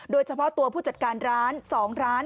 โดยเฉพาะตัวผู้จัดการร้าน๒ร้าน